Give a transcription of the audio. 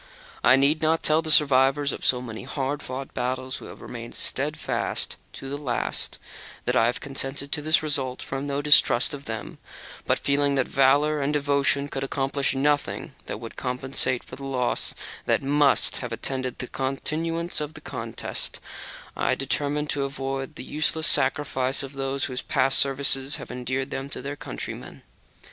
I need not tell the survivors of so many hard fought battles, who have remained steadfast to the last, that I have consented to this result from no distrust of them: but, feeling that valour and devotion could accomplish nothing that could compensate for the loss that would have attended the continuation of the contest, I have determined to avoid the useless sacrifice of those whose past services have endeared them to their countrymen.